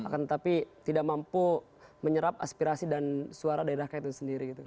tetapi tidak mampu menyerap aspirasi dan suara daerah kaitan sendiri